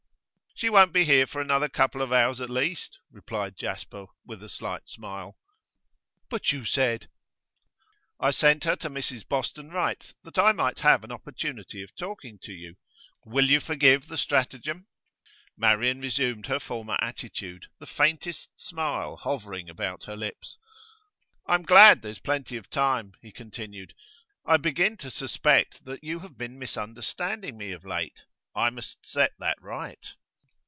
'She won't be here for another couple of hours at least,' replied Jasper with a slight smile. 'But you said ?' 'I sent her to Mrs Boston Wright's that I might have an opportunity of talking to you. Will you forgive the stratagem?' Marian resumed her former attitude, the faintest smile hovering about her lips. 'I'm glad there's plenty of time,' he continued. 'I begin to suspect that you have been misunderstanding me of late. I must set that right.